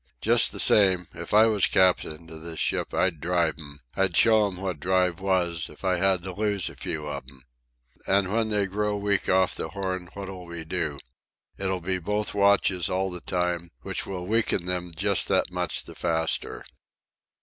Just the same, if I was captain of this ship I'd drive 'em. I'd show 'em what drive was, if I had to lose a few of them. And when they grow weak off the Horn what'll we do? It'll be both watches all the time, which will weaken them just that much the faster."